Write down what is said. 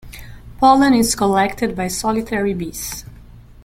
Pollen is collected by solitary bees.